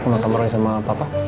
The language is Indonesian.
ke makam orangnya sama papa